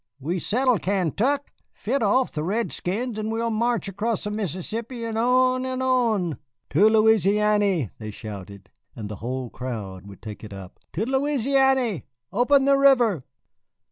We settled Kaintuck, fit off the redskins, and we'll march across the Mississippi and on and on " "To Louisiany!" they shouted, and the whole crowd would take it up, "To Louisiany! Open the river!"